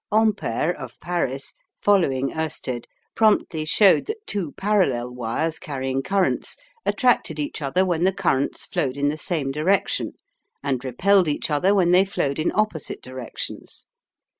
Ampere of Paris, following Oersted, promptly showed that two parallel wires carrying currents attracted each other when the currents flowed in the same direction, and repelled each other when they flowed in opposite directions.